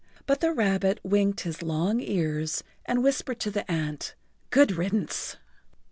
But the rabbit winked his long ears and whispered to the ant: "Good riddance!"